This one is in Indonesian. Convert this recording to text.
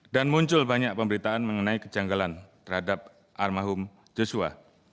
dan muncul banyak pemberitaan mengenai kejanggalan terhadap almarhum joshua